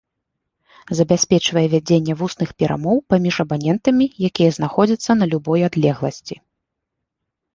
Забяспечвае вядзенне вусных перамоў паміж абанентамі, якія знаходзяцца на любой адлегласці.